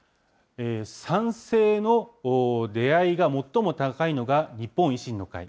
賛成の度合いが最も高いのが、日本維新の会。